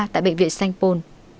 tại bệnh viện sanh pôn